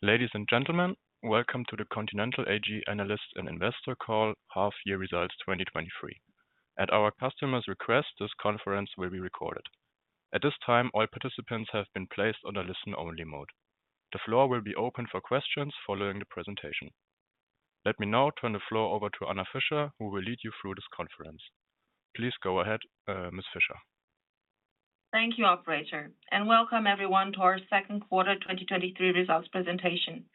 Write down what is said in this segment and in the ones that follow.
Ladies and gentlemen, welcome to the Continental AG Analyst and Investor Call, Half Year Results 2023. At our customer's request, this conference will be recorded. At this time, all participants have been placed on a listen-only mode. The floor will be open for questions following the presentation. Let me now turn the floor over to Anna Fischer, who will lead you through this conference. Please go ahead, Ms. Fischer. Thank you, operator. Welcome everyone to our second quarter 2023 results presentation.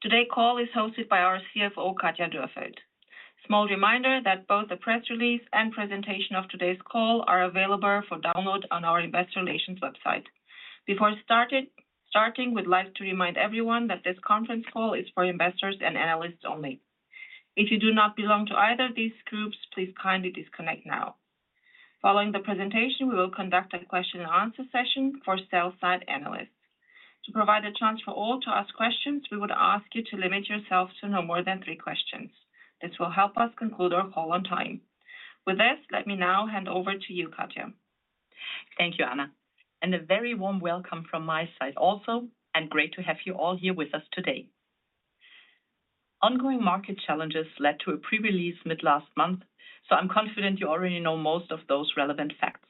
Today call is hosted by our CFO, Katja Dürrfeld. Small reminder that both the press release and presentation of today's call are available for download on our investor relations website. Before starting, we'd like to remind everyone that this conference call is for investors and analysts only. If you do not belong to either of these groups, please kindly disconnect now. Following the presentation, we will conduct a question-and-answer session for sell-side analysts. To provide a chance for all to ask questions, we would ask you to limit yourselves to no more than three questions. This will help us conclude our call on time. With this, let me now hand over to you, Katja. Thank you, Anna. A very warm welcome from my side also, and great to have you all here with us today. Ongoing market challenges led to a pre-release mid last month. I'm confident you already know most of those relevant facts.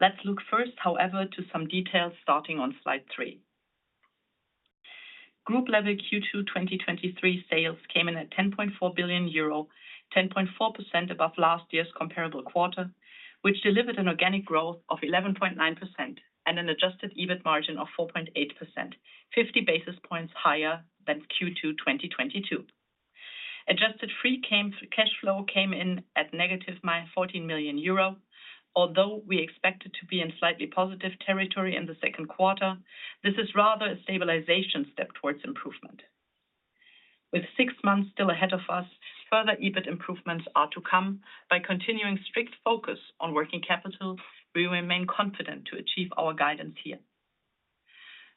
Let's look first, however, to some details starting on slide three. Group level Q2 2023 sales came in at 10.4 billion euro, 10.4 above last year's comparable quarter, which delivered an organic growth of 11.9%, and an adjusted EBIT margin of 4.8%, 50 basis points higher than Q2 2022. Adjusted free cash flow came in at negative 14 million euro. Although we expected to be in slightly positive territory in the second quarter, this is rather a stabilization step towards improvement. With six months still ahead of us, further EBIT improvements are to come. By continuing strict focus on working capital, we remain confident to achieve our guidance here.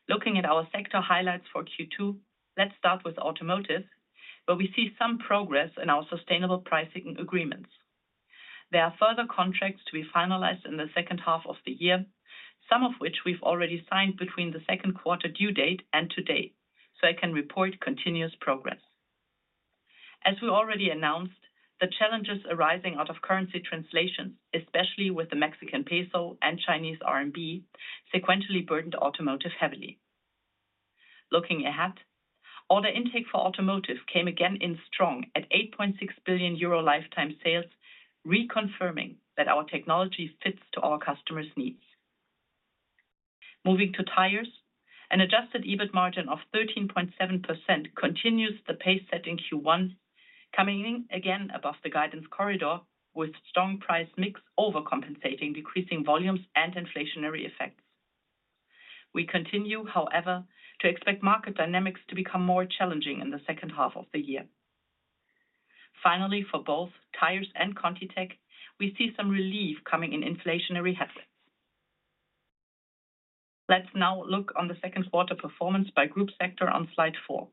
Looking at our sector highlights for Q2, let's start with Automotive, where we see some progress in our sustainable pricing agreements. There are further contracts to be finalized in the second half of the year, some of which we've already signed between the second quarter due date and today, so I can report continuous progress. As we already announced, the challenges arising out of currency translations, especially with the Mexican Peso and Chinese RMB, sequentially burdened Automotive heavily. Looking ahead, order intake for Automotive came again in strong at 8.6 billion euro lifetime sales, reconfirming that our technology fits to our customers' needs. Moving to tires, an adjusted EBIT margin of 13.7% continues the pace set in Q1, coming in again above the guidance corridor with strong price mix overcompensating decreasing volumes and inflationary effects. We continue, however, to expect market dynamics to become more challenging in the second half of the year. Finally, for both tires and Contitech, we see some relief coming in inflationary headwinds. Let's now look on the second quarter performance by group sector on slide four.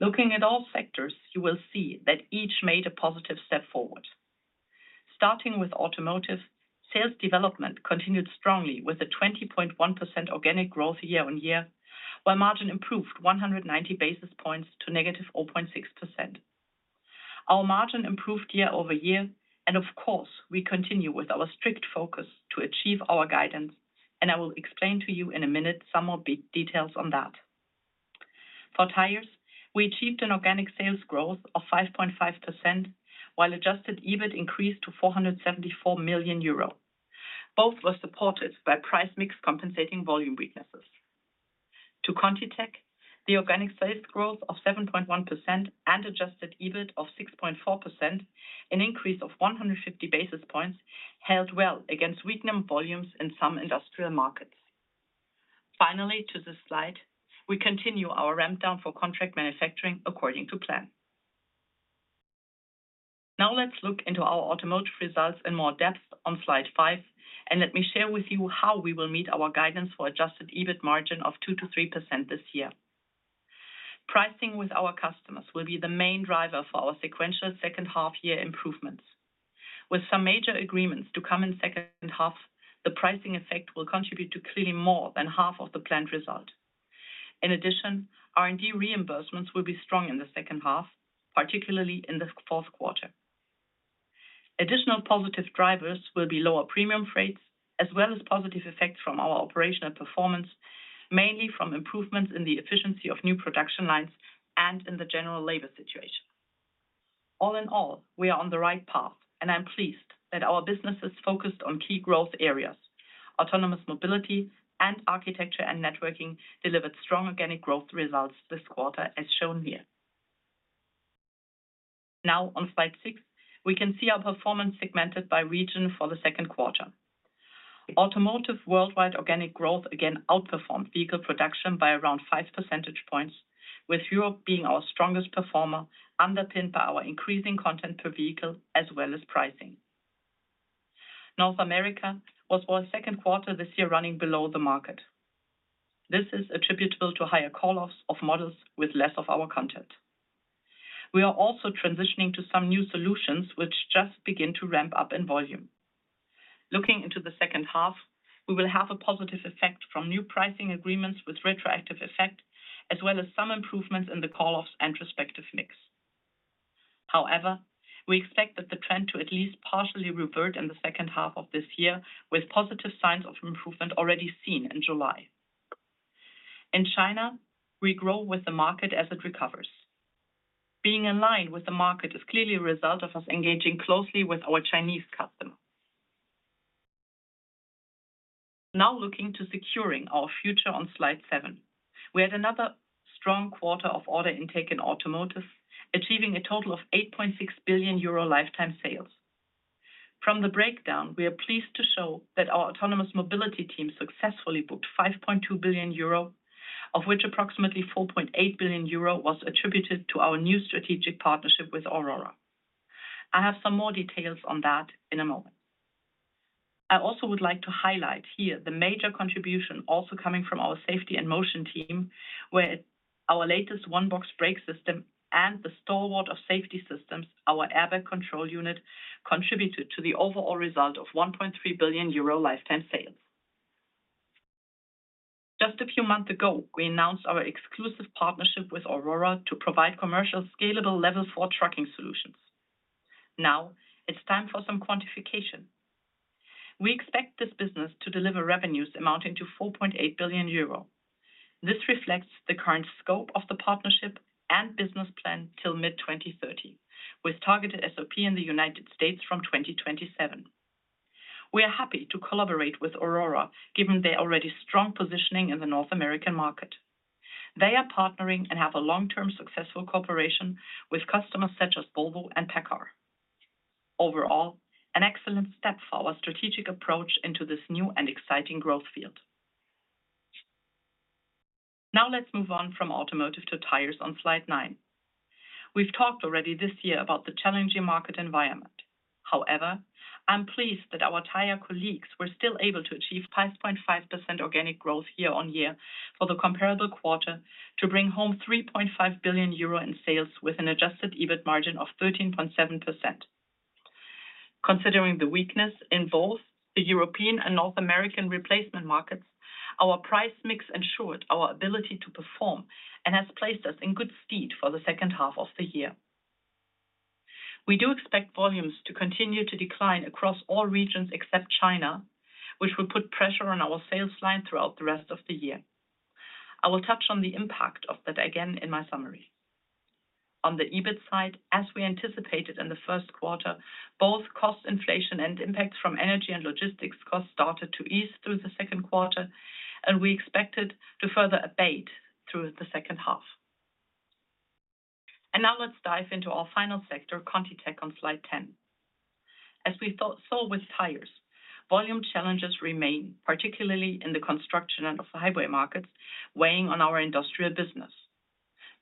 Looking at all sectors, you will see that each made a positive step forward. Starting with Automotive, sales development continued strongly with a 20.1% organic growth year-over-year, while margin improved 190 basis points to -0.6%. Our margin improved year-over-year. Of course, we continue with our strict focus to achieve our guidance. I will explain to you in a minute some more big details on that. For tires, we achieved an organic sales growth of 5.5%, while adjusted EBIT increased to 474 million euro. Both were supported by price mix compensating volume weaknesses. To ContiTech, the organic sales growth of 7.1% and adjusted EBIT of 6.4%, an increase of 150 basis points, held well against weakening volumes in some industrial markets. Finally, to this slide, we continue our ramp down for contract manufacturing according to plan. Now, let's look into our Automotive results in more depth on slide five, and let me share with you how we will meet our guidance for adjusted EBIT margin of 2%-3% this year. Pricing with our customers will be the main driver for our sequential second half year improvements. With some major agreements to come in second half, the pricing effect will contribute to clearly more than half of the planned result. In addition, R&D reimbursements will be strong in the second half, particularly in the fourth quarter. Additional positive drivers will be lower premium rates, as well as positive effects from our operational performance, mainly from improvements in the efficiency of new production lines and in the general labor situation. All in all, we are on the right path, and I'm pleased that our business is focused on key growth areas. Autonomous Mobility and Architecture and Networking delivered strong organic growth results this quarter, as shown here. Now on slide six, we can see our performance segmented by region for the second quarter. Automotive worldwide organic growth again outperformed vehicle production by around five percentage points, with Europe being our strongest performer, underpinned by our increasing content per vehicle as well as pricing. North America was for the second quarter this year running below the market. This is attributable to higher call-offs of models with less of our content. We are also transitioning to some new solutions, which just begin to ramp up in volume. Looking into the second half, we will have a positive effect from new pricing agreements with retroactive effect, as well as some improvements in the call-offs and retrospective mix. We expect that the trend to at least partially revert in the second half of this year, with positive signs of improvement already seen in July. In China, we grow with the market as it recovers. Being in line with the market is clearly a result of us engaging closely with our Chinese customers. Looking to securing our future on slide seven. We had another strong quarter of order intake in Automotive, achieving a total of 8.6 billion euro lifetime sales. From the breakdown, we are pleased to show that our Autonomous Mobility team successfully booked 5.2 billion euro, of which approximately 4.8 billion euro was attributed to our new strategic partnership with Aurora. I have some more details on that in a moment. I also would like to highlight here the major contribution also coming from our Safety and Motion team, where our latest one box brake system and the stalwart of safety systems, our airbag control unit, contributed to the overall result of 1.3 billion euro lifetime sales. Just a few months ago, we announced our exclusive partnership with Aurora to provide commercial scalable Level four trucking solutions. Now it's time for some quantification. We expect this business to deliver revenues amounting to 4.8 billion euro. This reflects the current scope of the partnership and business plan till mid-2030, with targeted SOP in the United States from 2027. We are happy to collaborate with Aurora, given their already strong positioning in the North American market. They are partnering and have a long-term successful cooperation with customers such as Volvo and PACCAR. Overall, an excellent step for our strategic approach into this new and exciting growth field. Now let's move on from Automotive to tires on slide nine. We've talked already this year about the challenging market environment. However, I'm pleased that our tire colleagues were still able to achieve 5.5% organic growth year-on-year for the comparable quarter to bring home 3.5 billion euro in sales, with an adjusted EBIT margin of 13.7%. Considering the weakness in both the European and North American replacement markets, our price mix ensured our ability to perform and has placed us in good stead for the second half of the year. We do expect volumes to continue to decline across all regions except China, which will put pressure on our sales line throughout the rest of the year. I will touch on the impact of that again in my summary. On the EBIT side, as we anticipated in the first quarter, both cost inflation and impacts from energy and logistics costs started to ease through the second quarter. We expect it to further abate through the second half. Now let's dive into our final sector, ContiTech, on slide 10. As we saw with tires, volume challenges remain, particularly in the construction and off-highway markets, weighing on our industrial business.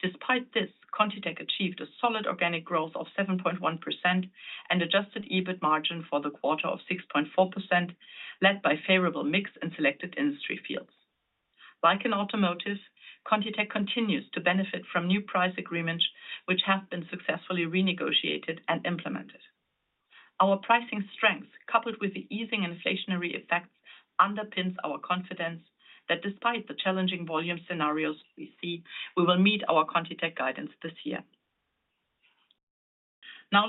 Despite this, ContiTech achieved a solid organic growth of 7.1% and adjusted EBIT margin for the quarter of 6.4%, led by favorable mix in selected industry fields. Like in Automotive, ContiTech continues to benefit from new price agreements, which have been successfully renegotiated and implemented. Our pricing strength, coupled with the easing inflationary effects, underpins our confidence that despite the challenging volume scenarios we see, we will meet our ContiTech guidance this year.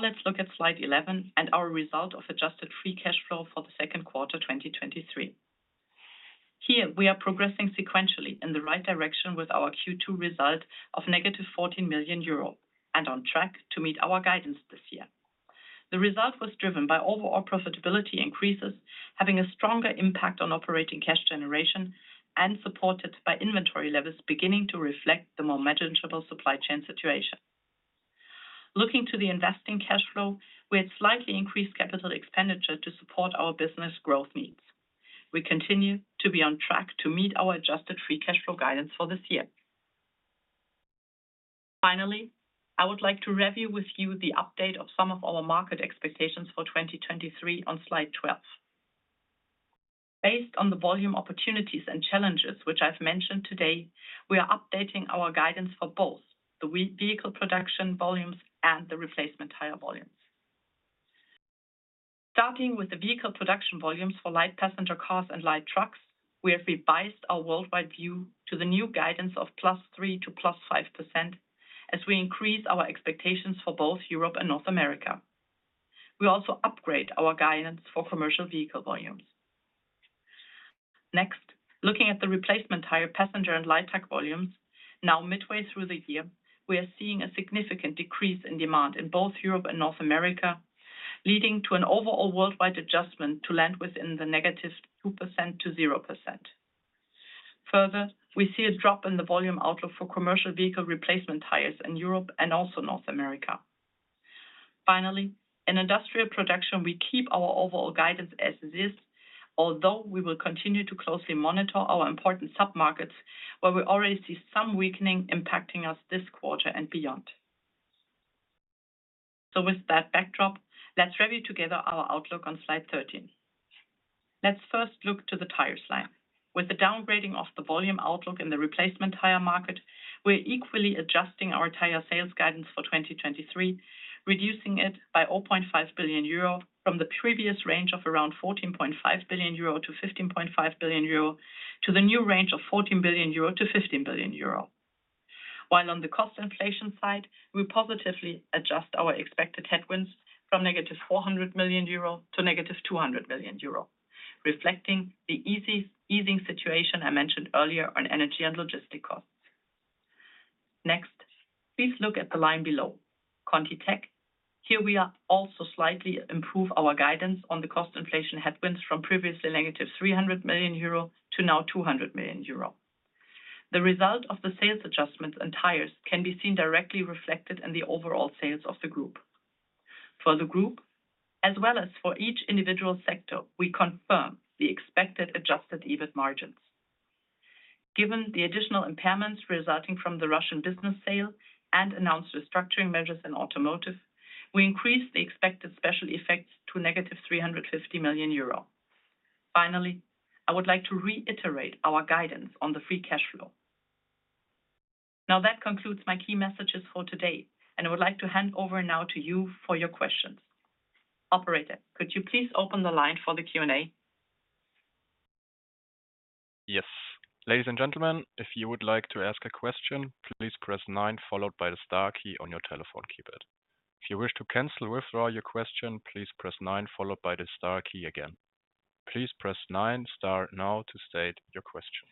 Let's look at slide 11 and our result of adjusted free cash flow for the second quarter 2023. Here we are progressing sequentially in the right direction with our Q2 result of negative 14 million euro, and on track to meet our guidance this year. The result was driven by overall profitability increases, having a stronger impact on operating cash generation and supported by inventory levels beginning to reflect the more manageable supply chain situation. Looking to the investing cash flow, we had slightly increased capital expenditure to support our business growth needs. We continue to be on track to meet our adjusted free cash flow guidance for this year. Finally, I would like to review with you the update of some of our market expectations for 2023 on slide 12. Based on the volume, opportunities, and challenges which I've mentioned today, we are updating our guidance for both the vehicle production volumes and the replacement tire volumes. Starting with the vehicle production volumes for light passenger cars and light trucks, we have revised our worldwide view to the new guidance of +3% to +5%, as we increase our expectations for both Europe and North America. We also upgrade our guidance for commercial vehicle volumes. Looking at the replacement tire, passenger and light truck volumes. Now, midway through the year, we are seeing a significant decrease in demand in both Europe and North America, leading to an overall worldwide adjustment to land within the -2% to 0%. Further, we see a drop in the volume outlook for commercial vehicle replacement tires in Europe and also North America. Finally, in industrial production, we keep our overall guidance as is, although we will continue to closely monitor our important submarkets, where we already see some weakening impacting us this quarter and beyond. With that backdrop, let's review together our outlook on slide 13. Let's first look to the tire slide. With the downgrading of the volume outlook in the replacement tire market, we're equally adjusting our tire sales guidance for 2023, reducing it by 0.5 billion euro from the previous range of around 14.5 billion-15.5 billion euro, to the new range of 14 billion-15 billion euro. While on the cost inflation side, we positively adjust our expected headwinds from negative 400 million euro to negative 200 million euro, reflecting the easing situation I mentioned earlier on energy and logistic costs. Next, please look at the line below, ContiTech. Here we are also slightly improve our guidance on the cost inflation headwinds from previously negative 300 million euro to now 200 million euro. The result of the sales adjustments and tires can be seen directly reflected in the overall sales of the group. For the group, as well as for each individual sector, we confirm the expected adjusted EBIT margins. Given the additional impairments resulting from the Russian business sale and announced restructuring measures in automotive, we increased the expected special effects to negative 350 million euro. Finally, I would like to reiterate our guidance on the free cash flow. Now, that concludes my key messages for today, and I would like to hand over now to you for your questions. Operator, could you please open the line for the Q&A? Yes. Ladies and gentlemen, if you would like to ask a question, please press nine, followed by the star key on your telephone keypad. If you wish to cancel or withdraw your question, please press nine, followed by the star key again. Please press star nine now to state your question.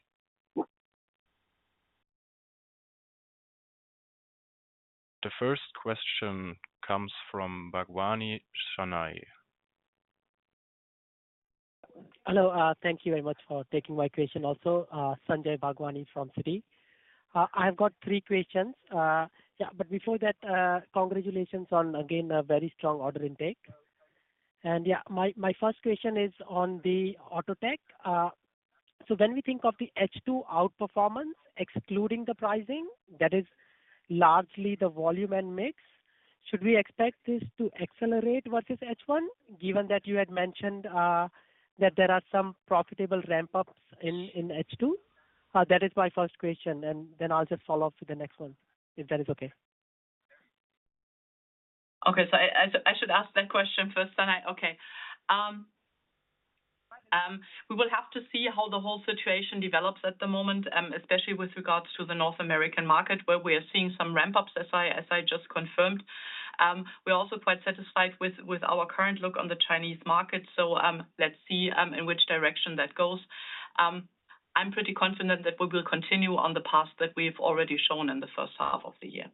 The first question comes from Sanjay Bhagwani. Hello, thank you very much for taking my question also. Sanjay Bhagwani from Citi. I have got 3 questions. Before that, congratulations on, again, a very strong order intake. Yeah, my first question is on the Automotive. When we think of the H2 outperformance, excluding the pricing, that is largely the volume and mix, should we expect this to accelerate versus H1, given that you had mentioned that there are some profitable ramp-ups in H2? That is my first question, and then I'll just follow up to the next one, if that is okay. Okay. I should ask that question first, then I okay. We will have to see how the whole situation develops at the moment, especially with regards to the North American market, where we are seeing some ramp-ups, as I, as I just confirmed. We're also quite satisfied with, with our current look on the Chinese market. Let's see in which direction that goes. I'm pretty confident that we will continue on the path that we've already shown in the first half of the year.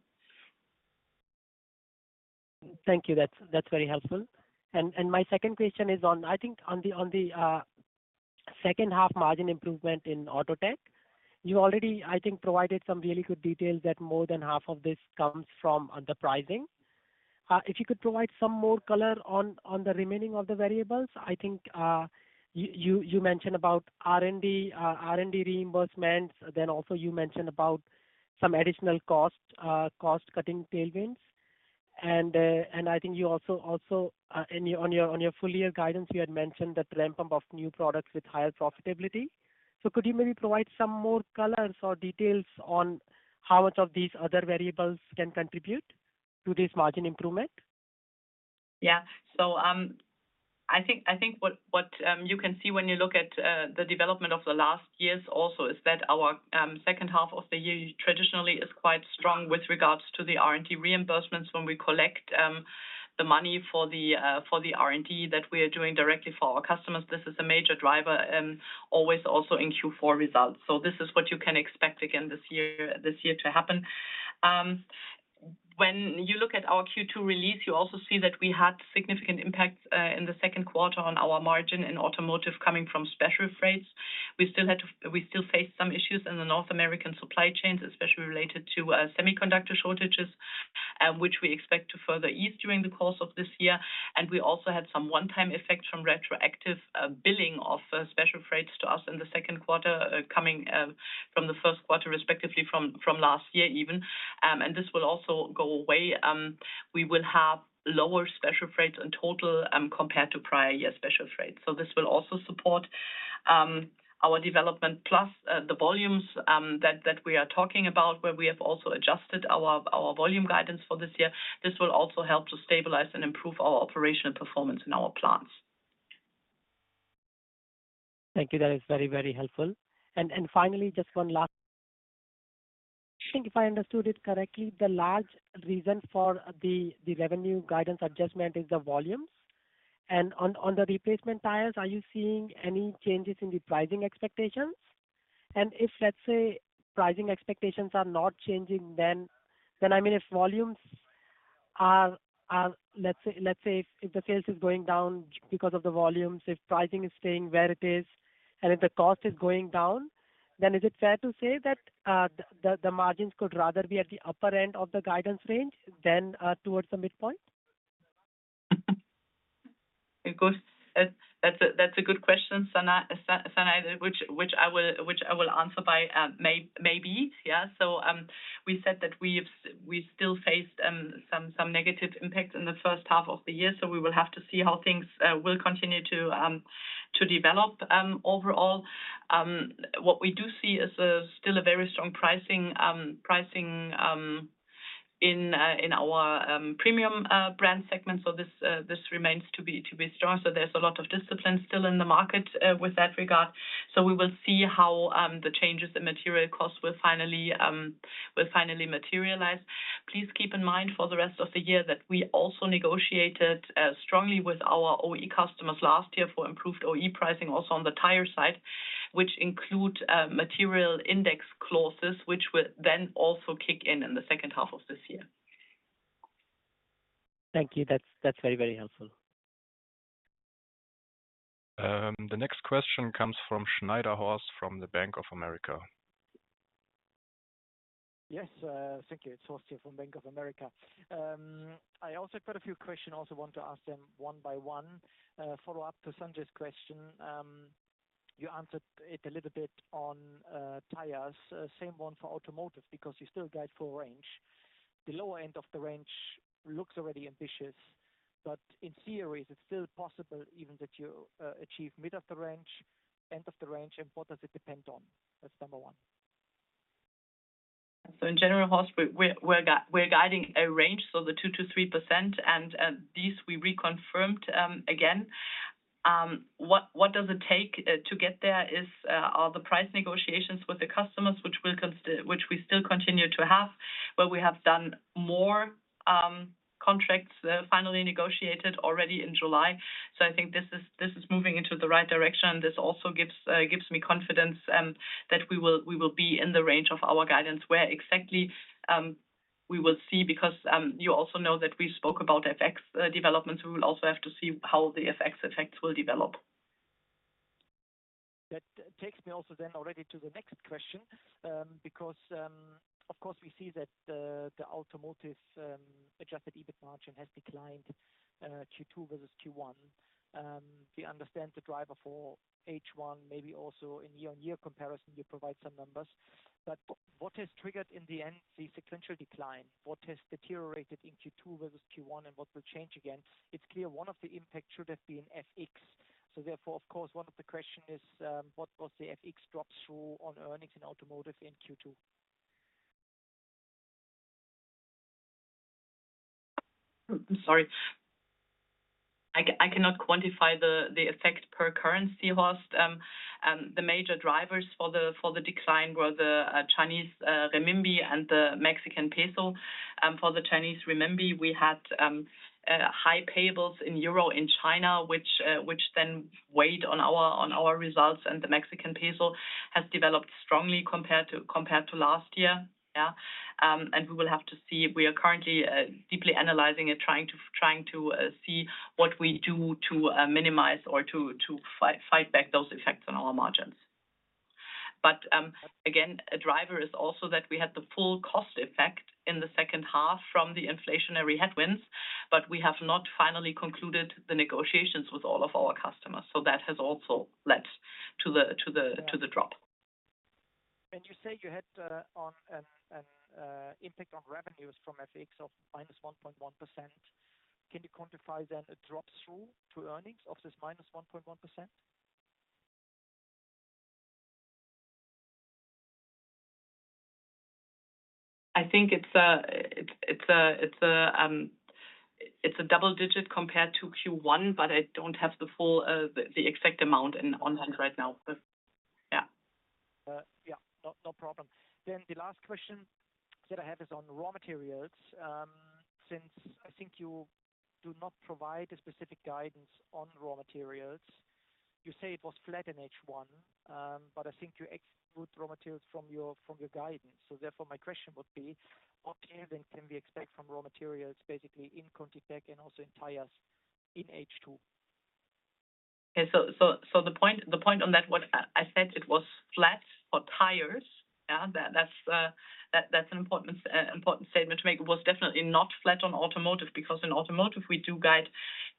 Thank you. That's, that's very helpful. My second question is on, I think on the, on the second half margin improvement in Automotive. You already, I think, provided some really good details that more than half of this comes from the pricing. If you could provide some more color on, on the remaining of the variables, I think, you, you, you mentioned about R&D, R&D reimbursements, then also you mentioned about some additional cost, cost-cutting tailwinds. I think you also, also, on your, on your full year guidance, you had mentioned the ramp-up of new products with higher profitability. Could you maybe provide some more colors or details on how much of these other variables can contribute to this margin improvement? Yeah. I think what you can see when you look at the development of the last years also is that our second half of the year traditionally is quite strong with regards to the R&D reimbursements when we collect the money for the R&D that we are doing directly for our customers. This is a major driver always also in Q4 results. This is what you can expect again this year, this year to happen. When you look at our Q2 release, you also see that we had significant impacts in the second quarter on our margin in Automotive coming from special freights. We still face some issues in the North American supply chains, especially related to semiconductor shortages, which we expect to further ease during the course of this year. We also had some one-time effects from retroactive billing of special freights to us in the second quarter, coming from the first quarter, respectively, from last year, even. This will also go away. We will have lower special freights in total compared to prior year special freights. This will also support our development, plus the volumes that we are talking about, where we have also adjusted our volume guidance for this year. This will also help to stabilize and improve our operational performance in our plants. Thank you. That is very, very helpful. Finally, just one last I think if I understood it correctly, the large reason for the revenue guidance adjustment is the volumes. On the replacement tires, are you seeing any changes in the pricing expectations? If, let's say, pricing expectations are not changing, then I mean, if volumes are, let's say, if the sales is going down because of the volumes, if pricing is staying where it is, and if the cost is going down, then is it fair to say that the margins could rather be at the upper end of the guidance range than towards the midpoint? Good. That's a, that's a good question, Sanjay, Sanjay which I will answer by, maybe, yeah. We said that we've we still faced, some, some negative impacts in the first half of the year. We will have to see how things, will continue to, to develop. Overall, what we do see is a still a very strong pricing, pricing, in, in our, premium, brand segment. This, this remains to be, to be strong. There's a lot of discipline still in the market, with that regard. We will see how, the changes in material costs will finally, will finally materialize. Please keep in mind for the rest of the year that we also negotiated strongly with our OE customers last year for improved OE pricing, also on the tire side, which include material index clauses, which will then also kick in in the second half of this year. Thank you. That's, that's very, very helpful. The next question comes from Schneider Horst, from the Bank of America. Yes, thank you. It's Horst here from Bank of America. I also quite a few question, also want to ask them one by one. Follow-up to Sanjay's question. You answered it a little bit on tires. Same one for Automotive, because you still guide full range. The lower end of the range looks already ambitious, but in theory, is it still possible even that you achieve mid of the range, end of the range, and what does it depend on? That's number one. In general, Horst, we're, we're guiding a range, so the 2%-3%, and these we reconfirmed again. What, what does it take to get there is are the price negotiations with the customers, which we still continue to have, we have done more contracts finally negotiated already in July. I think this is, this is moving into the right direction. This also gives gives me confidence that we will, we will be in the range of our guidance. Where exactly we will see, because you also know that we spoke about FX developments. We will also have to see how the FX effects will develop. That takes me also then already to the next question. Because, of course, we see that the Automotive adjusted EBIT margin has declined, Q2 versus Q1. We understand the driver for H1, maybe also in year-on-year comparison, you provide some numbers. What, what has triggered in the end, the sequential decline? What has deteriorated in Q2 versus Q1, and what will change again? It's clear one of the impact should have been FX. Therefore, of course, one of the question is, What was the FX drop through on earnings in Automotive in Q2? Sorry, I cannot quantify the effect per currency, Horst. The major drivers for the decline were the Chinese renminbi and the Mexican Peso. For the Chinese renminbi, we had high payables in EUR in China, which then weighed on our results, and the Mexican Peso has developed strongly compared to, compared to last year. Yeah. We will have to see. We are currently deeply analyzing and trying to see what we do to minimize or to fight back those effects on our margins. Again, a driver is also that we had the full cost effect in the second half from the inflationary headwinds, but we have not finally concluded the negotiations with all of our customers. That has also led to the drop. You say you had an impact on revenues from FX of minus 1.1%. Can you quantify then a drop-through to earnings of this minus 1.1%? I think it's a double-digit compared to Q1, I don't have the full, the, the exact amount in on hand right now. Yeah. Yeah, no, no problem. The last question that I have is on raw materials. Since I think you do not provide a specific guidance on raw materials, you say it was flat in H1, but I think you exclude raw materials from your, from your guidance. Therefore, my question would be, what tailwind can we expect from raw materials, basically in ContiTech and also in tires in H2? Okay. The point, the point on that, what I said it was flat for tires. Yeah, that, that's, that, that's an important, important statement to make. It was definitely not flat on Automotive, because in Automotive we do guide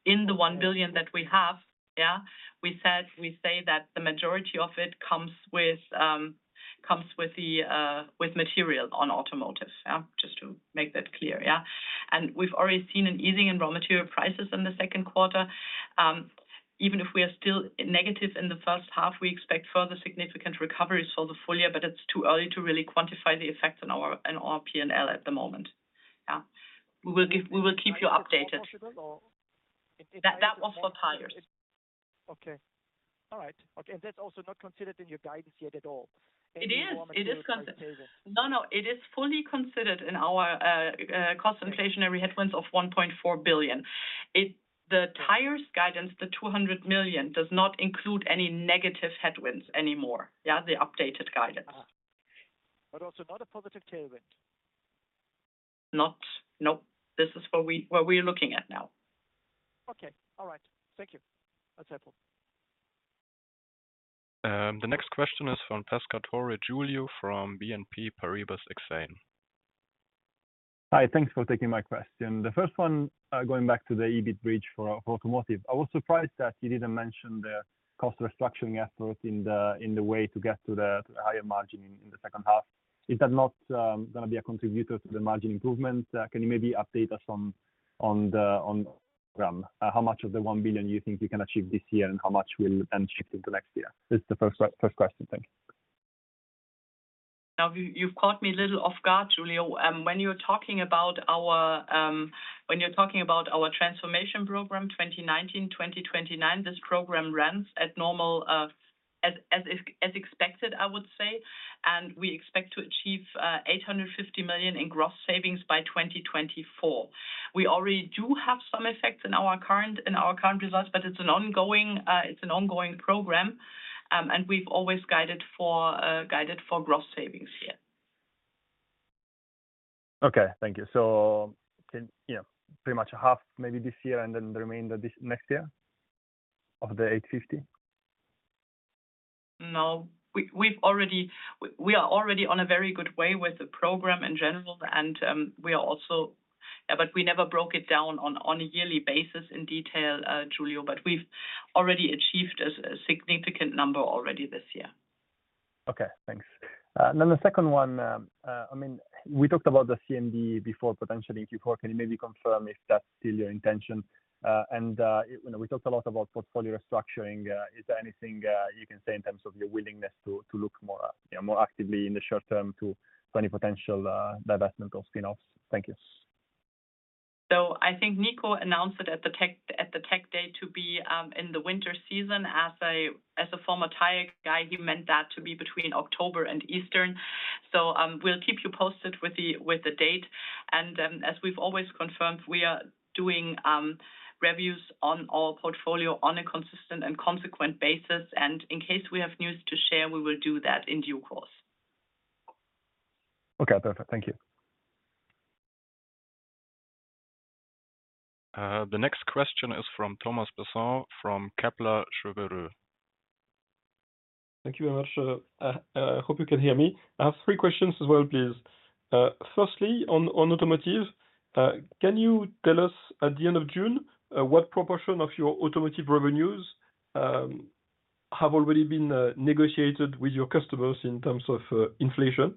in the 1 billion that we have, yeah. We said, we say that the majority of it comes with, comes with the, with materials on Automotive. Yeah, just to make that clear, yeah. We've already seen an easing in raw material prices in the second quarter. Even if we are still negative in the first half, we expect further significant recovery for the full year, but it's too early to really quantify the effect on our, on our P&L at the moment. Yeah. We will give... We will keep you updated. Is it still possible? That, that was for tires. Okay. All right. Okay, that's also not considered in your guidance yet at all? It is. It is con Any raw material tailwind. No, no, it is fully considered in our cost inflationary headwinds of 1.4 billion. The tires guidance, the 200 million, does not include any negative headwinds anymore, yeah, the updated guidance. Also not a positive tailwind? Not, nope. This is what we, what we're looking at now. Okay, all right. Thank you. That's helpful. The next question is from Giulio Pescatore from BNP Paribas Exane. Hi, thanks for taking my question. The first one, going back to the EBIT bridge for Automotive. I was surprised that you didn't mention the cost restructuring effort in the, in the way to get to the higher margin in, in the second half. Is that not gonna be a contributor to the margin improvement? Can you maybe update us on, on the, on the program? How much of the 1 billion you think you can achieve this year, and how much will then shift into next year? This is the first first question. Thank you. Now, you, you've caught me a little off guard, Giulio. When you're talking about our, when you're talking about our Transformation 2019-2029, 2019, 2029, this program runs at normal, as expected, I would say, and we expect to achieve 850 million in gross savings by 2024. We already do have some effects in our current, in our current results, but it's an ongoing, it's an ongoing program, and we've always guided for gross savings here. Okay, thank you. Can yeah, pretty much a half, maybe this year, and then the remainder this next year, of the EUR 850? No we are already on a very good way with the program in general. We are also. Yeah. We never broke it down on a yearly basis in detail, Giulio. We've already achieved a significant number already this year. Okay, thanks. The second one, I mean, we talked about the CMD before, potentially Q4. Can you maybe confirm if that's still your intention? You know, we talked a lot about portfolio structuring. Is there anything you can say in terms of your willingness to look more, you know, more actively in the short term to any potential divestment or spin-offs? Thank you. I think Nico announced it at the tech day to be in the winter season. As a, as a former tire guy, he meant that to be between October and Easter. We'll keep you posted with the date, and as we've always confirmed, we are doing reviews on our portfolio on a consistent and consequent basis, and in case we have news to share, we will do that in due course. Okay, perfect. Thank you. The next question is from Thomas Besson from Kepler Cheuvreux. Thank you very much. I hope you can hear me. I have three questions as well, please. Firstly, on Automotive, can you tell us, at the end of June, what proportion of your Automotive revenues have already been negotiated with your customers in terms of inflation?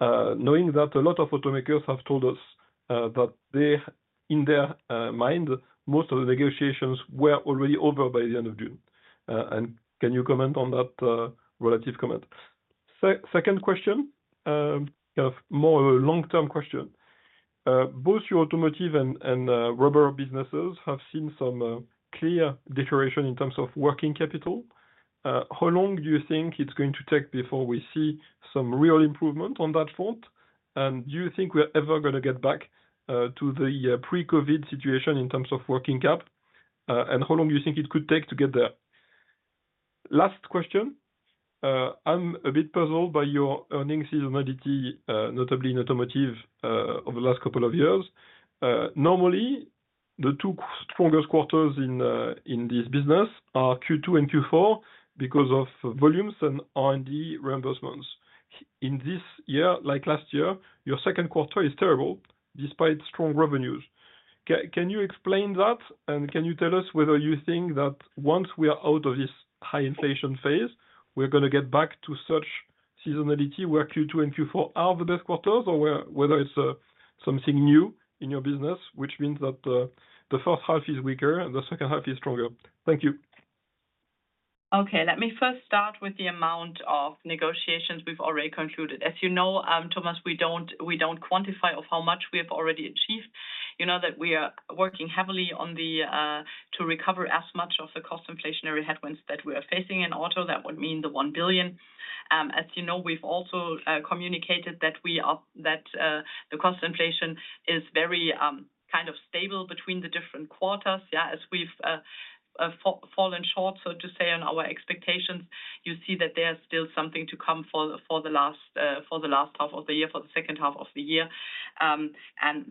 Knowing that a lot of automakers have told us that they, in their mind, most of the negotiations were already over by the end of June. Can you comment on that relative comment? Second question, kind of more of a long-term question. Both your Automotive and Rubber businesses have seen some clear deterioration in terms of working capital. How long do you think it's going to take before we see some real improvement on that front? Do you think we're ever gonna get back to the pre-COVID situation in terms of working cap? How long do you think it could take to get there? Last question. I'm a bit puzzled by your earnings seasonality, notably in Automotive, over the last couple of years. Normally, the two strongest quarters in this business are Q2 and Q4 because of volumes and R&D reimbursements. In this year, like last year, your second quarter is terrible despite strong revenues. Can you explain that? Can you tell us whether you think that once we are out of this high inflation phase, we're gonna get back to such seasonality, where Q2 and Q4 are the best quarters, or whether it's something new in your business, which means that the first half is weaker and the second half is stronger? Thank you. Okay, let me first start with the amount of negotiations we've already concluded. As you know, Thomas, we don't, we don't quantify of how much we have already achieved. You know that we are working heavily on the to recover as much of the cost inflationary headwinds that we are facing in Auto. That would mean the 1 billion. As you know, we've also communicated that the cost inflation is very kind of stable between the different quarters. Yeah, as we've fallen short, so to say, on our expectations, you see that there's still something to come for the last, for the last half of the year, for the second half of the year.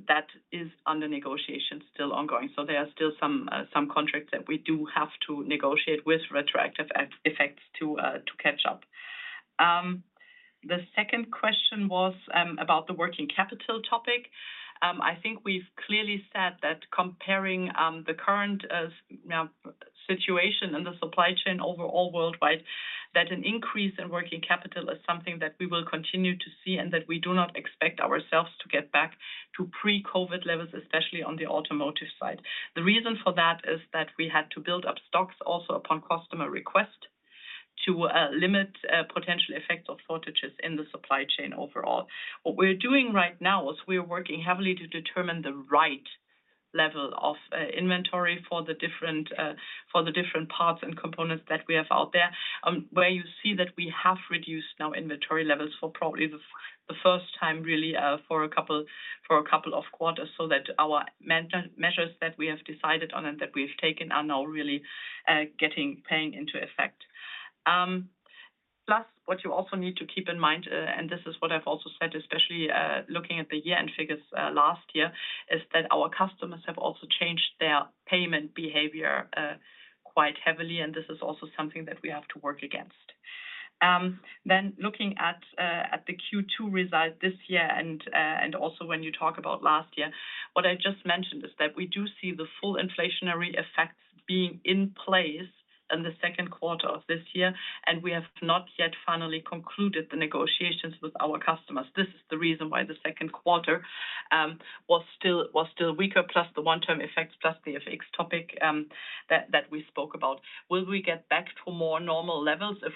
That is under negotiation, still ongoing. There are still some, some contracts that we do have to negotiate with retroactive effects to to catch up. The second question was about the working capital topic. I think we've clearly said that comparing the current, now, situation in the supply chain overall worldwide, that an increase in working capital is something that we will continue to see and that we do not expect ourselves to get back to pre-COVID levels, especially on the Automotive side. The reason for that is that we had to build up stocks also upon customer request, to limit potential effects of shortages in the supply chain overall. What we're doing right now is we're working heavily to determine the right level of inventory for the different, for the different parts and components that we have out there. Where you see that we have reduced now inventory levels for probably the first time, really, for a couple of quarters, so that our measures that we have decided on and that we've taken are now really, getting, paying into effect. What you also need to keep in mind, and this is what I've also said, especially, looking at the year-end figures, last year, is that our customers have also changed their payment behavior, quite heavily, and this is also something that we have to work against. Looking at the Q2 result this year and also when you talk about last year, what I just mentioned is that we do see the full inflationary effects being in place in the second quarter of this year, and we have not yet finally concluded the negotiations with our customers. This is the reason why the second quarter was still, was still weaker, plus the one-term effects, plus the FX topic that, that we spoke about. Will we get back to more normal levels if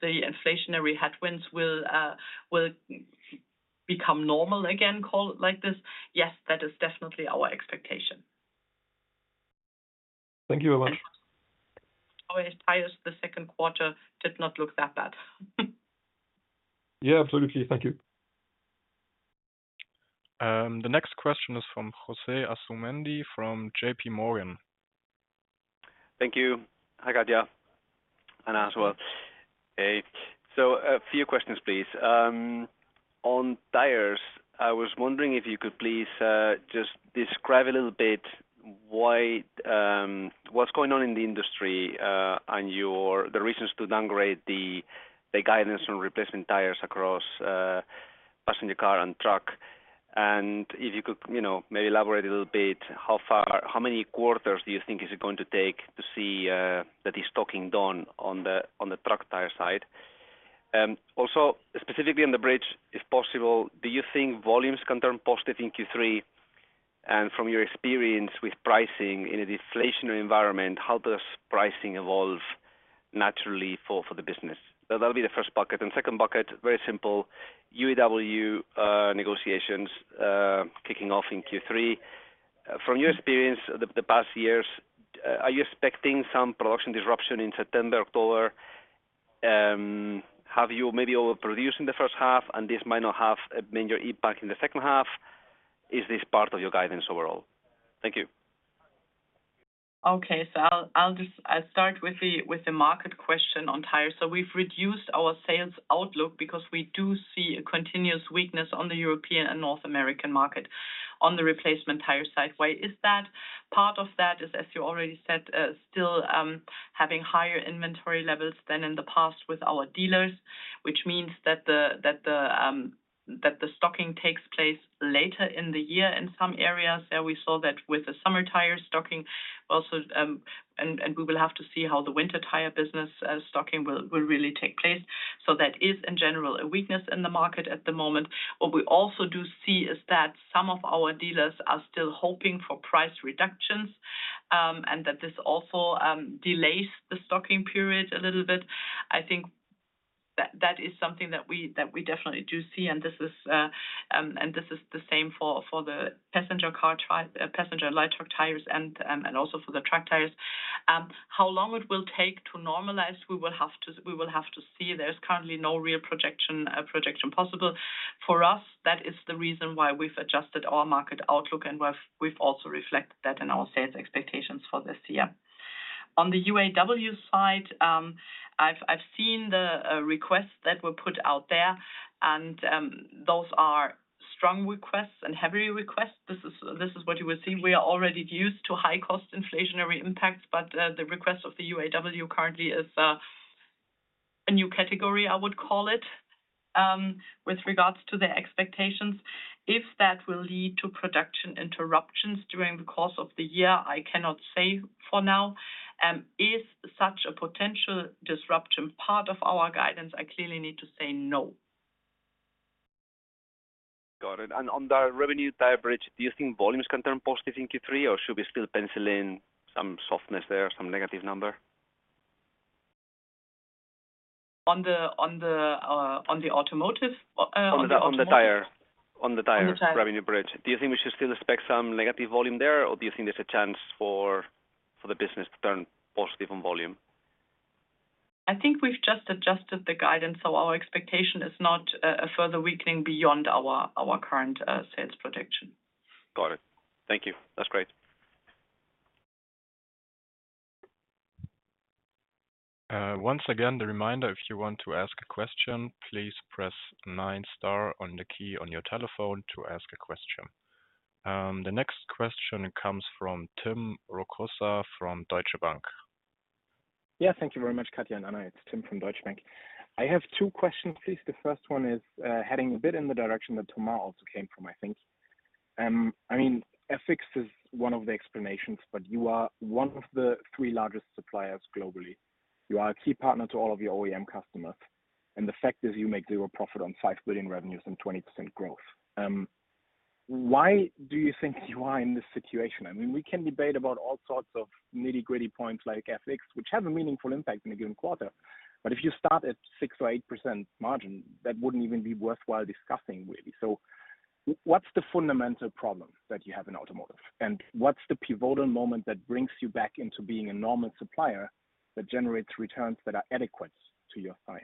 the inflationary headwinds will become normal again, call it like this? Yes, that is definitely our expectation. Thank you very much. Our tires, the second quarter did not look that bad. Yeah, absolutely. Thank you. The next question is from Jose Asumendi, from J.P. Morgan. Thank you. Hi, Katja and as well. Hey, a few questions, please. On tires, I was wondering if you could please just describe a little bit why what's going on in the industry and your the reasons to downgrade the guidance on replacement tires across passenger car and truck. If you could, you know, maybe elaborate a little bit, how far, how many quarters do you think is it going to take to see that is stocking done on the truck tire side? Also, specifically on the bridge, if possible, do you think volumes can turn positive in Q3? From your experience with pricing in a deflationary environment, how does pricing evolve naturally for the business? That'll be the first bucket. Second bucket, very simple, UAW negotiations kicking off in Q3. From your experience the, the past years, are you expecting some production disruption in September, October? Have you maybe overproduced in the first half, and this might not have a major impact in the second half? Is this part of your guidance overall? Thank you. I'll start with the market question on tires. We've reduced our sales outlook because we do see a continuous weakness on the European and North American market on the replacement tire side. Why is that? Part of that is, as you already said, still having higher inventory levels than in the past with our dealers, which means that the stocking takes place later in the year in some areas. There we saw that with the summer tire stocking also, and we will have to see how the winter tire business stocking will really take place. That is, in general, a weakness in the market at the moment. What we also do see is that some of our dealers are still hoping for price reductions, and that this also delays the stocking period a little bit. I think that, that is something that we, that we definitely do see, and this is the same for, for the passenger car passenger light truck tires and also for the truck tires. How long it will take to normalize, we will have to, we will have to see. There's currently no real projection, projection possible. For us, that is the reason why we've adjusted our market outlook, and we've, we've also reflected that in our sales expectations for this year. On the UAW side, I've, I've seen the request that were put out there, and those are strong requests and heavy requests. This is, this is what you will see. We are already used to high cost inflationary impacts, but the request of the UAW currently is a new category, I would call it, with regards to their expectations. If that will lead to production interruptions during the course of the year, I cannot say for now. Is such a potential disruption part of our guidance? I clearly need to say no. Got it. On the revenue tire bridge, do you think volumes can turn positive in Q3, or should we still pencil in some softness there, some negative number? On the automotive. On the, on the tire. On the tire. Revenue bridge. Do you think we should still expect some negative volume there, or do you think there's a chance for, for the business to turn positive on volume? I think we've just adjusted the guidance, so our expectation is not a further weakening beyond our, our current sales projection. Got it. Thank you. That's great. Once again, the reminder, if you want to ask a question, please press nine star on the key on your telephone to ask a question. The next question comes from Tim Rokossa from Deutsche Bank. Yeah, thank you very much, Katja and Anna. It's Tim from Deutsche Bank. I have two questions, please. The first one is, heading a bit in the direction that Thomas also came from, I think. I mean, FX is one of the explanations, but you are one of the three largest suppliers globally. You are a key partner to all of your OEM customers, and the fact is you make zero profit on 5 billion revenues and 20% growth. Why do you think you are in this situation? I mean, we can debate about all sorts of nitty-gritty points like FX, which have a meaningful impact in a given quarter. If you start at 6% or 8% margin, that wouldn't even be worthwhile discussing, really. What's the fundamental problem that you have in Automotive? What's the pivotal moment that brings you back into being a normal supplier that generates returns that are adequate to your size?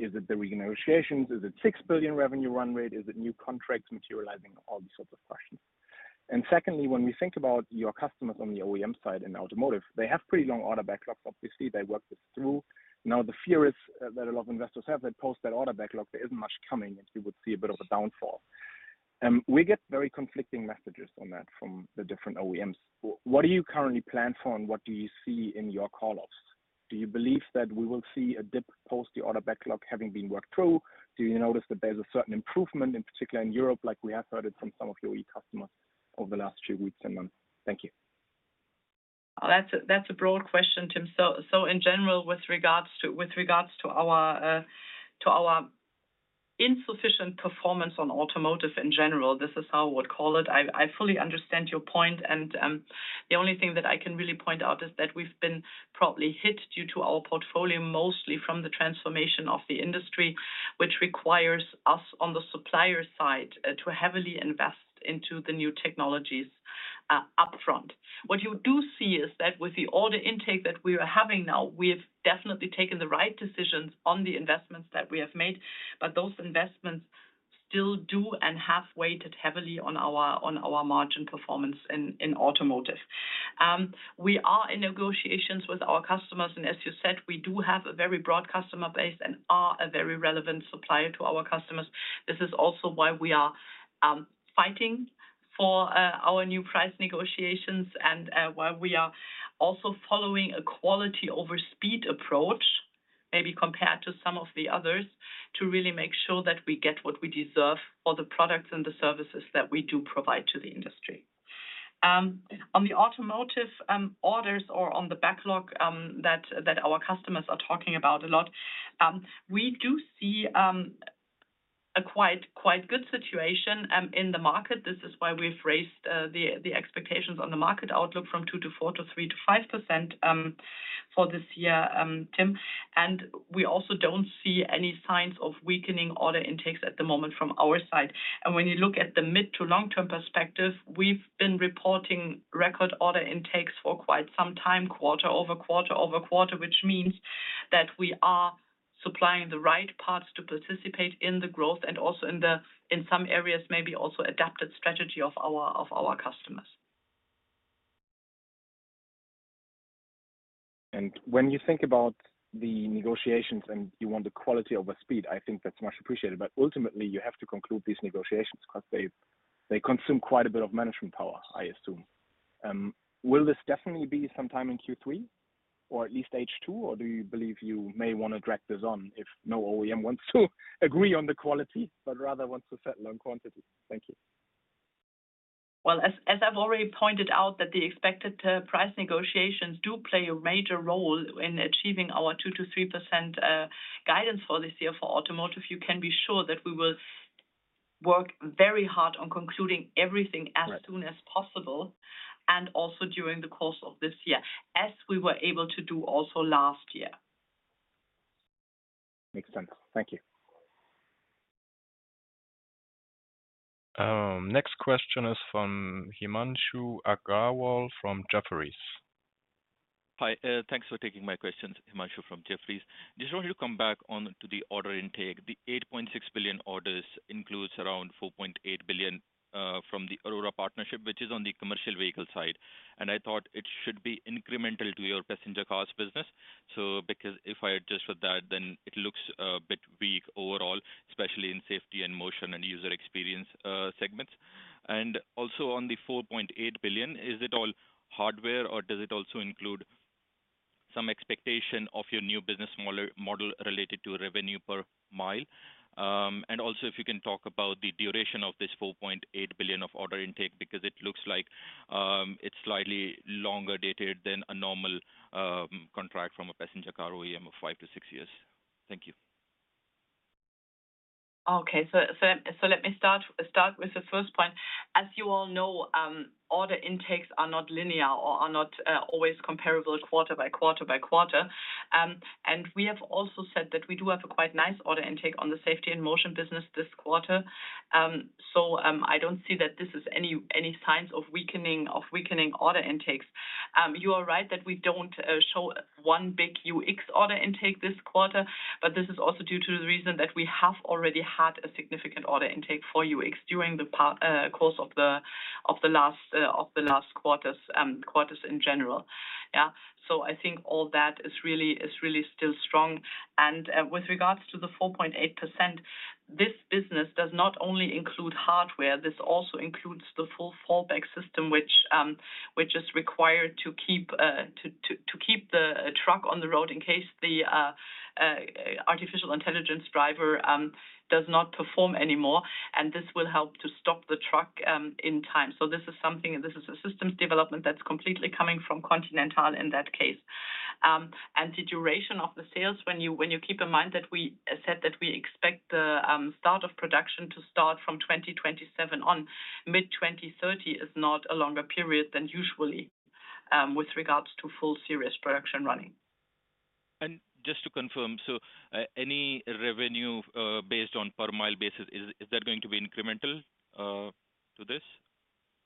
Is it the renegotiations? Is it 6 billion revenue run rate? Is it new contracts materializing? All these sorts of questions. Secondly, when we think about your customers on the Automotive OEM side, they have pretty long order backlogs. Obviously, they work this through. Now, the fear is that a lot of investors have that post that order backlog, there isn't much coming, and we would see a bit of a downfall. We get very conflicting messages on that from the different OEMs. What do you currently plan for, and what do you see in your call-offs? Do you believe that we will see a dip post the order backlog having been worked through? Do you notice that there's a certain improvement, in particular in Europe, like we have heard it from some of your OE customers over the last few weeks and months? Thank you. That's a, that's a broad question, Tim. In general, with regards to, with regards to our, to our insufficient performance on automotive in general, this is how I would call it. I fully understand your point, and, the only thing that I can really point out is that we've been probably hit due to our portfolio, mostly from the transformation of the industry, which requires us, on the supplier side, to heavily invest into the new technologies, upfront. What you do see is that with the order intake that we are having now, we have definitely taken the right decisions on the investments that we have made, but those investments still do and have weighted heavily on our, on our margin performance in, in automotive. We are in negotiations with our customers, and as you said, we do have a very broad customer base and are a very relevant supplier to our customers. This is also why we are fighting for our new price negotiations and why we are also following a quality over speed approach, maybe compared to some of the others, to really make sure that we get what we deserve for the products and the services that we do provide to the industry. On the automotive orders or on the backlog that our customers are talking about a lot, we do see a quite, quite good situation in the market. This is why we've raised the expectations on the market outlook from 2% to 4% to 3% to 5% for this year, Tim. We also don't see any signs of weakening order intakes at the moment from our side. When you look at the mid to long-term perspective, we've been reporting record order intakes for quite some time, quarter over quarter over quarter, which means that we are supplying the right parts to participate in the growth and also in the, in some areas, maybe also adapted strategy of our, of our customers. When you think about the negotiations and you want the quality over speed, I think that's much appreciated, but ultimately, you have to conclude these negotiations because they, they consume quite a bit of management power, I assume. Will this definitely be sometime in Q3 or at least H2, or do you believe you may wanna drag this on if no OEM wants to agree on the quality, but rather wants to settle on quantity? Thank you. Well, as I've already pointed out, that the expected, price negotiations do play a major role in achieving our 2%-3% guidance for this year for Automotive, you can be sure that we will work very hard on concluding everything. Right soon as possible, and also during the course of this year, as we were able to do also last year. Makes sense. Thank you. Next question is from Himanshu Agarwal from Jefferies. Hi, thanks for taking my questions. Himanshu from Jefferies. Just want you to come back on to the order intake. The 8.6 billion orders includes around 4.8 billion from the Aurora partnership, which is on the commercial vehicle side, and I thought it should be incremental to your passenger cars business. Because if I adjust for that, then it looks bit weak overall, especially in Safety and Motion and User Experience segments. Also on the 4.8 billion, is it all hardware, or does it also include some expectation of your new business model, model related to revenue per mile? Also, if you can talk about the duration of this 4.8 billion of order intake, because it looks like it's slightly longer dated than a normal contract from a passenger car OEM of five to six years. Thank you. Okay. Let me start, start with the first point. As you all know, order intakes are not linear or are not always comparable quarter by quarter by quarter. We have also said that we do have a quite nice order intake on the Safety and Motion business this quarter. I don't see that this is any, any signs of weakening, of weakening order intakes. You are right that we don't show one big UX order intake this quarter, this is also due to the reason that we have already had a significant order intake for UX during the part course of the, of the last, of the last quarters, quarters in general. Yeah. I think all that is really, is really still strong. With regards to the 4.8%, this business does not only include hardware, this also includes the full fallback system, which is required to keep the truck on the road in case the artificial intelligence driver does not perform anymore, and this will help to stop the truck in time. This is something, this is a systems development that's completely coming from Continental in that case. The duration of the sales, when you, when you keep in mind that we said that we expect the start of production to start from 2027 on, mid-2030 is not a longer period than usually with regards to full serious production running. Just to confirm, any revenue based on per mile basis, is that going to be incremental to this,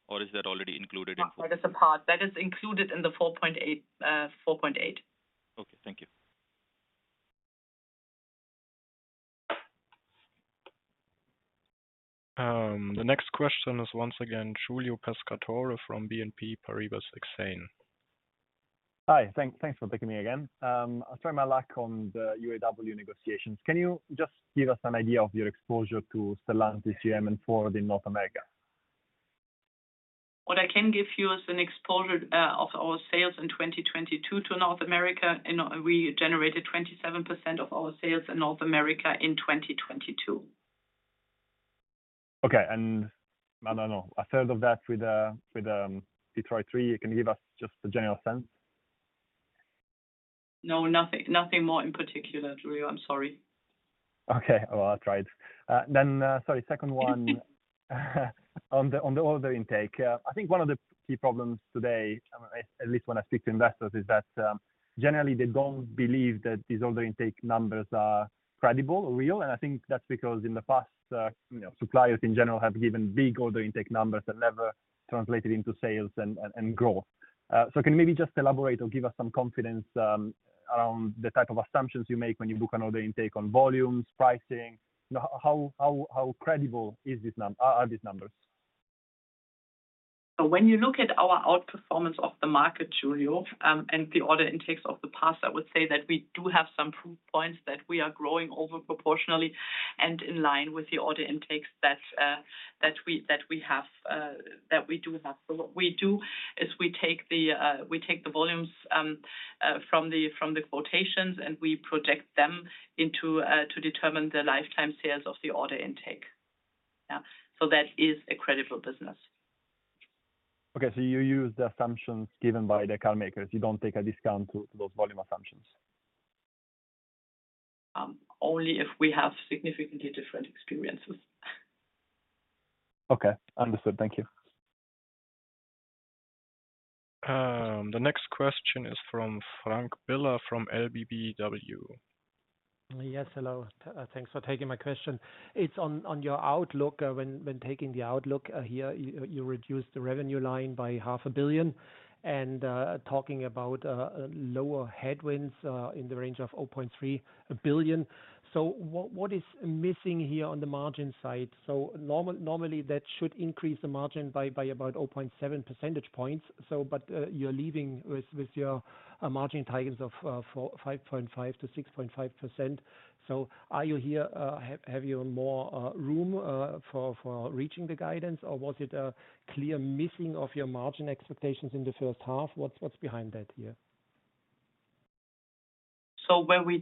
or is that already included in? That is a part. That is included in the 4.8, 4.8. Okay, thank you. The next question is once again, Giulio Pescatore from BNP Paribas Exane. Hi, thank, thanks for taking me again. I'll try my luck on the UAW negotiations. Can you just give us an idea of your exposure to Stellantis, GM, and Ford in North America? What I can give you is an exposure of our sales in 2022 to North America, and we generated 27% of our sales in North America in 2022. Okay. I don't know, a third of that with Detroit Three, you can give us just a general sense? No, nothing, nothing more in particular, Giulio, I'm sorry. Okay. Well, I tried. Sorry, second one. On the, on the order intake, I think one of the key problems today, at least when I speak to investors, is that, generally, they don't believe that these order intake numbers are credible or real. I think that's because in the past, you know, suppliers in general have given big order intake numbers that never translated into sales and, and, and growth. Can you maybe just elaborate or give us some confidence, around the type of assumptions you make when you book an order intake on volumes, pricing? You know how credible is this are, are these numbers? When you look at our outperformance of the market, Giulio, and the order intakes of the past, I would say that we do have some proof points that we are growing over proportionally and in line with the order intakes that we, that we have, that we do have. What we do is we take the, we take the volumes, from the, from the quotations, and we project them into, to determine the lifetime sales of the order intake. Yeah. That is a credible business. Okay, you use the assumptions given by the car makers. You don't take a discount to those volume assumptions? Only if we have significantly different experiences. Okay, understood. Thank you. The next question is from Frank Biller, from LBBW. Yes, hello. Thanks for taking my question. It's on your outlook. When taking the outlook, here, you reduced the revenue line by 500 million, talking about lower headwinds in the range of 0.3 billion. What is missing here on the margin side? Normally, that should increase the margin by about 0.7 percentage points. You're leaving with your margin targets of 5.5%-6.5%. Are you here... have you more room for reaching the guidance, or was it a clear missing of your margin expectations in the first half? What's behind that here? When we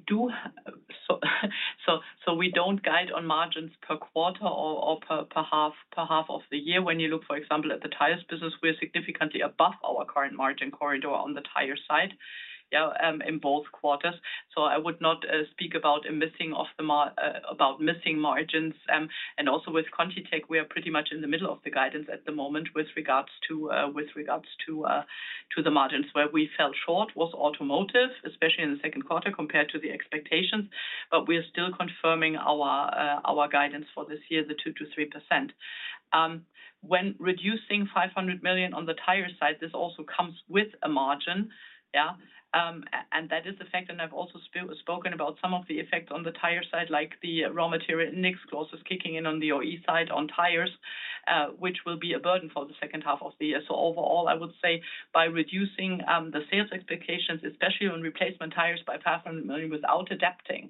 don't guide on margins per quarter or per half, per half of the year. When you look, for example, at the tires business, we're significantly above our current margin corridor on the tire side, yeah, in both quarters. I would not speak about a missing of the mar-- about missing margins. And also with ContiTech, we are pretty much in the middle of the guidance at the moment with regards to, with regards to the margins. Where we fell short was Automotive, especially in the second quarter, compared to the expectations, but we are still confirming our guidance for this year, the 2%-3%. When reducing 500 million on the tire side, this also comes with a margin. Yeah. That is the effect, and I've also spoken about some of the effects on the tire side, like the raw material index clauses kicking in on the OE side, on tires, which will be a burden for the second half of the year. Overall, I would say by reducing the sales expectations, especially on replacement tires, by 500 million without adapting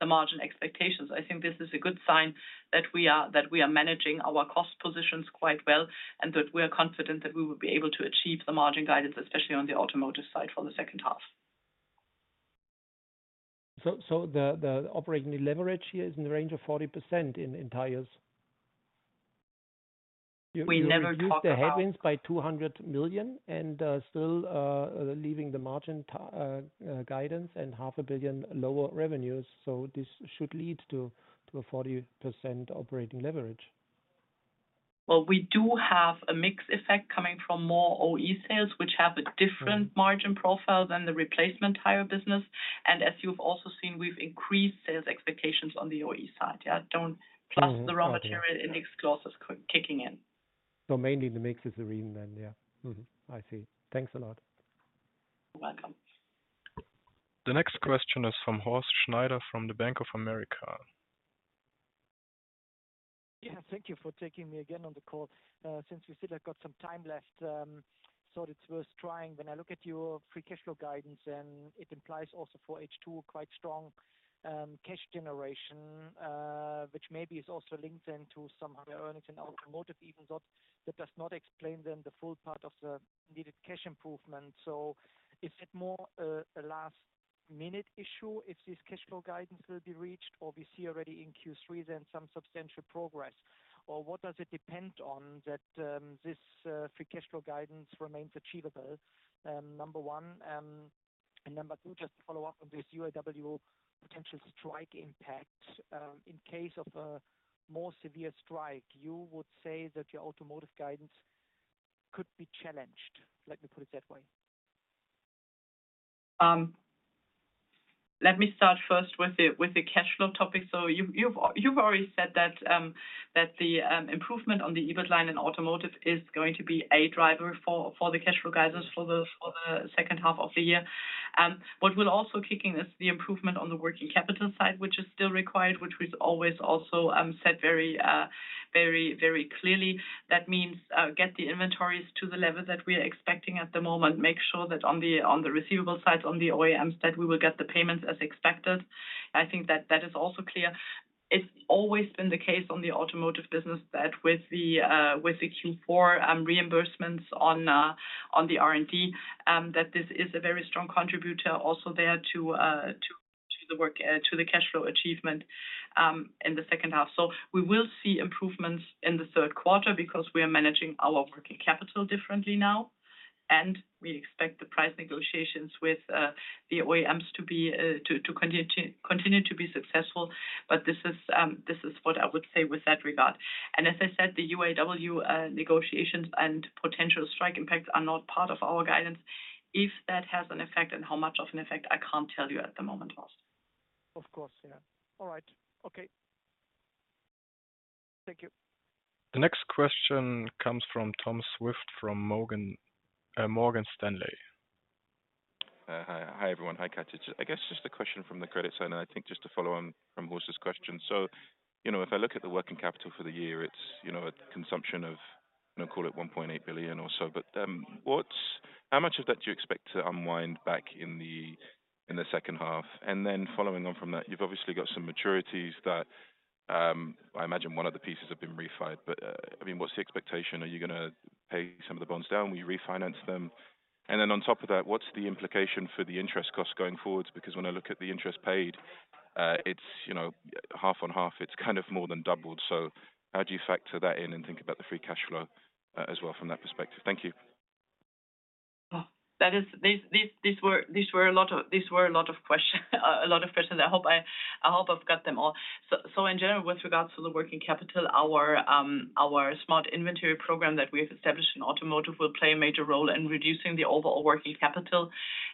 the margin expectations, I think this is a good sign that we are, that we are managing our cost positions quite well, and that we are confident that we will be able to achieve the margin guidance, especially on the Automotive side for the second half. The operating leverage here is in the range of 40% in tires? We never talk about You reduced the headwinds by 200 million and, still, leaving the margin guidance and 500 million lower revenues, so this should lead to a 40% operating leverage. Well, we do have a mix effect coming from more OE sales, which have a different margin profile than the replacement tire business. As you've also seen, we've increasedsales expectations on the OE side. Yeah, don't plus, the raw material index clause is kicking in. Mainly the mix is the reason then, yeah. I see. Thanks a lot. You're welcome. The next question is from Horst Schneider, from the Bank of America. Yeah, thank you for taking me again on the call. Since you said I've got some time left, thought it's worth trying. When I look at your free cash flow guidance, it implies also for H2, quite strong cash generation, which maybe is also linked then to some higher earnings in Automotive, even though that does not explain then the full part of the needed cash improvement. Is it more a last-minute issue if this cash flow guidance will be reached, or we see already in Q3 then some substantial progress? What does it depend on that this free cash flow guidance remains achievable, number one, and number two, just to follow up on this UAW potential strike impact? In case of a more severe strike, you would say that your Automotive guidance could be challenged, let me put it that way. Let me start first with the, with the cash flow topic. You've, you've, you've already said that the improvement on the EBIT line in Automotive is going to be a driver for, for the cash flow guidance for the, for the second half of the year. What will also kick in is the improvement on the working capital side, which is still required, which we've always also said very, very, very clearly. That means, get the inventories to the level that we are expecting at the moment. Make sure that on the, on the receivable side, on the OEMs, that we will get the payments as expected. I think that that is also clear. It's always been the case on the Automotive business that with the with the Q4 reimbursements on on the R&D that this is a very strong contributor also there to to to the cash flow achievement in the second half. We will see improvements in the third quarter because we are managing our working capital differently now, we expect the price negotiations with the OEMs to be to to continue, to continue to be successful. This is this is what I would say with that regard. As I said, the UAW negotiations and potential strike impacts are not part of our guidance. If that has an effect and how much of an effect, I can't tell you at the moment, Horst. Of course, yeah. All right. Okay. Thank you. The next question comes from Tom Swift, from Morgan, Morgan Stanley. Hi. Hi, everyone. Hi, Katja. I guess just a question from the credit side. I think just to follow on from Horst Schneider's question. You know, if I look at the working capital for the year, it's, you know, a consumption of, you know, call it 1.8 billion or so. How much of that do you expect to unwind back in the, in the second half? Then following on from that, you've obviously got some maturities that, I imagine one of the pieces have been refinanced. I mean, what's the expectation? Are you gonna pay some of the bonds down? Will you refinance them? Then on top of that, what's the implication for the interest cost going forward? When I look at the interest paid, it's, you know, half on half, it's kind of more than doubled. How do you factor that in and think about the free cash flow as well from that perspective? Thank you. Oh, that is these were a lot of questions. I hope I've got them all. In general, with regards to the working capital, our smart inventory program that we have established in Automotive will play a major role in reducing the overall working capital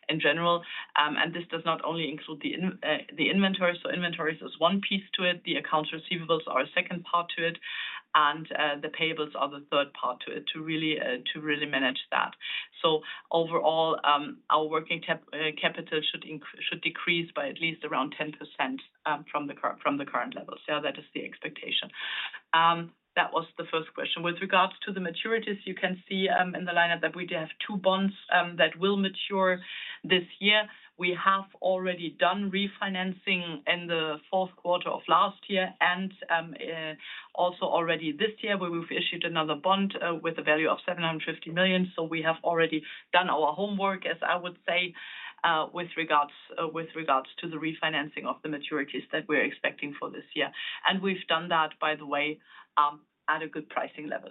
in general. And this does not only include the inventories. Inventories is one piece to it, the accounts receivables are a second part to it, and the payables are the third part to it, to really manage that. Overall, our working capital should decrease by at least around 10% from the current level. That is the expectation. That was the first question. With regards to the maturities, you can see in the line-up that we do have two bonds that will mature this year. We have already done refinancing in the fourth quarter of last year and also already this year, where we've issued another bond with a value of 750 million. We have already done our homework, as I would say, with regards, with regards to the refinancing of the maturities that we're expecting for this year. We've done that, by the way, at a good pricing level.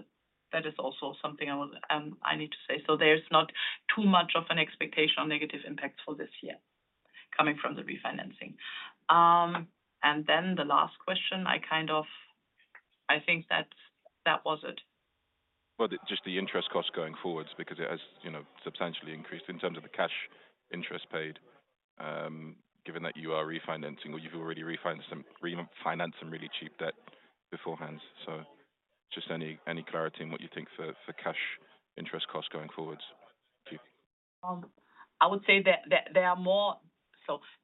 That is also something I was, I need to say. There's not too much of an expectation on negative impact for this year coming from the refinancing. The last question, I kind of I think that's, that was it. Well, just the interest cost going forward, because it has, you know, substantially increased in terms of the cash interest paid. Given that you are refinancing or you've already refinanced some, refinance some really cheap debt beforehand. Just any, any clarity on what you think for, for cash interest cost going forward? Thank you. I would say that, that there are more...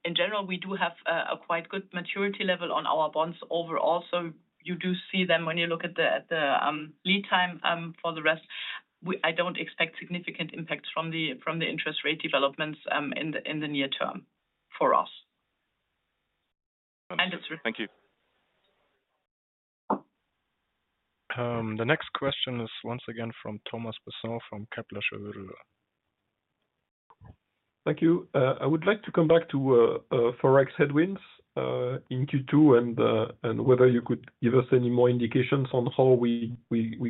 In general, we do have a, a quite good maturity level on our bonds overall. You do see them when you look at the, the, lead time for the rest. I don't expect significant impacts from the, from the interest rate developments in the, in the near term for us. Thank you. The next question is once again from Thomas Besson, from Kepler Cheuvreux. Thank you. I would like to come back to Forex headwinds in Q2, and whether you could give us any more indications on how we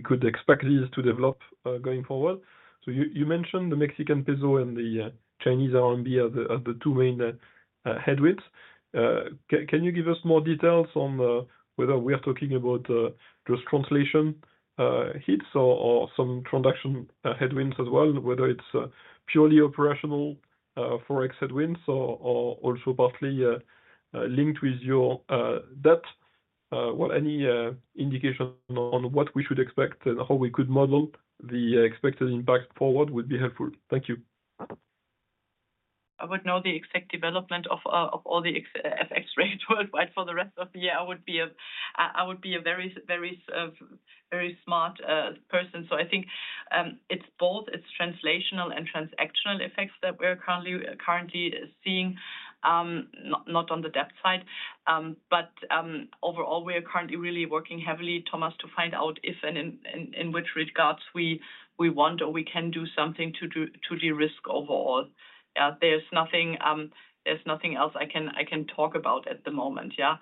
could expect this to develop going forward. You mentioned the Mexican peso and the Chinese RMB are the two main headwinds. Can you give us more details on whether we are talking about just translation hits or some transaction headwinds as well, whether it's purely operational Forex headwinds or also partly linked with your debt? Well, any indication on what we should expect and how we could model the expected impact forward would be helpful. Thank you. I would know the exact development of all the FX rates worldwide for the rest of the year. I would be I would be a very, very, very smart person. I think it's both, it's translational and transactional effects that we're currently, currently seeing, not, not on the debt side. Overall, we are currently really working heavily, Thomas, to find out if and in, and in which regards we, we want or we can do something to do, to de-risk overall. There's nothing, there's nothing else I can, I can talk about at the moment, yeah.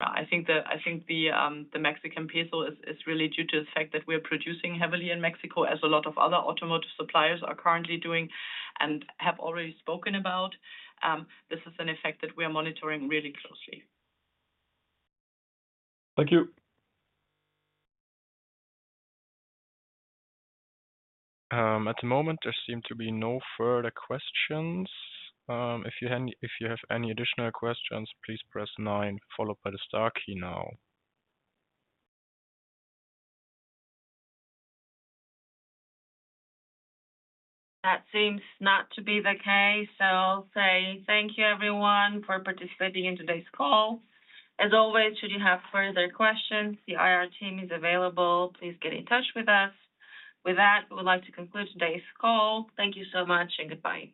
I think the, I think the, the Mexican Peso is, is really due to the fact that we are producing heavily in Mexico, as a lot of other automotive suppliers are currently doing and have already spoken about. This is an effect that we are monitoring really closely. Thank you. At the moment, there seem to be no further questions. If you have any, if you have any additional questions, please press nine, followed by the star key now. That seems not to be the case, so I'll say thank you, everyone, for participating in today's call. As always, should you have further questions, the IR team is available. Please get in touch with us. With that, we would like to conclude today's call. Thank you so much, and goodbye.